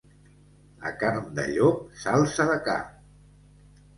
A carn de llop, salsa de ca.